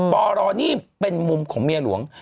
ปรนี่เป็นมุมของเมียหลวง